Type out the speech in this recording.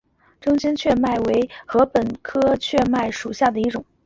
中间雀麦为禾本科雀麦属下的一个种。